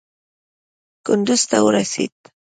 کندوز ته ورسېد.